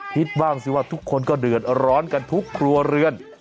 คิดบ้างสิว่าทุกคนก็เดือดร้อนกันทุกครัวเรือน